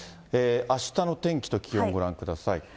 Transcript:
あしたの天気と気温ご覧ください。